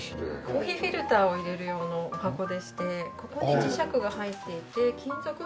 コーヒーフィルターを入れる用のお箱でしてここに磁石が入っていて金属面に付けられるように。